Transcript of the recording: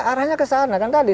arahnya ke sana kan tadi